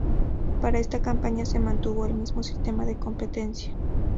Para esta campaña se mantuvo el mismo sistema de competencia.